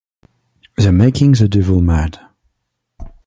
They're making the devil mad.